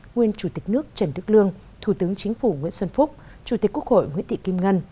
nguyên chủ tịch nước trần đức lương thủ tướng chính phủ nguyễn xuân phúc chủ tịch quốc hội nguyễn thị kim ngân